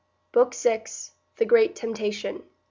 BOOK SIXTH THE GREAT TEMPTATION.